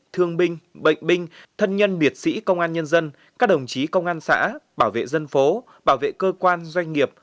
thương binh bệnh binh thân nhân liệt sĩ công an nhân dân các đồng chí công an xã bảo vệ dân phố bảo vệ cơ quan doanh nghiệp